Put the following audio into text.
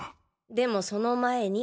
でもその前に。